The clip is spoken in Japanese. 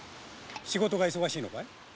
仕事が忙しいのか？